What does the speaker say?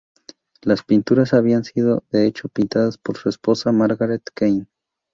Las pinturas habían sido de hecho pintadas por su esposa Margaret Keane.